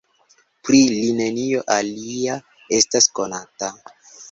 Pri li nenio alia estas konata.